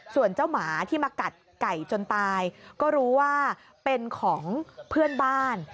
ส่วนเจ้าหมาที่มากัดไก่จนตายก็รู้ว่าเป็นของเพื่อนบ้าน